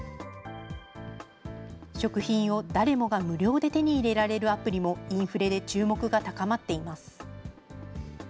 食品を誰もが無料で手に入れられるアプリもインフレで注目が高まっています。